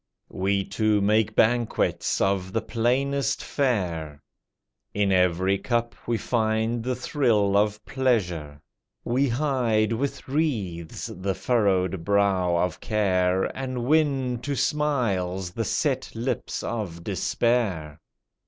We two make banquets of the plainest fare; In every cup we find the thrill of pleasure; We hide with wreaths the furrowed brow of care, And win to smiles the set lips of despair.